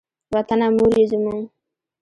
وطنه مور یې زموږ.